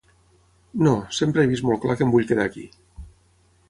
No, sempre he vist molt clar que em vull quedar aquí.